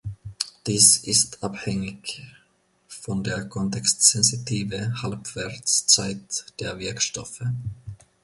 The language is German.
Dies ist abhängig von der kontextsensitive Halbwertszeit der Wirkstoffe.